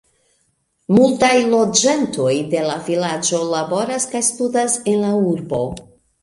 Multaj loĝantoj de la vilaĝo laboras kaj studas en la urbo.